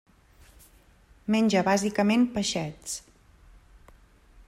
Menja bàsicament peixets.